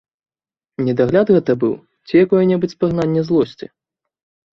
Недагляд гэта быў ці якое-небудзь спагнанне злосці?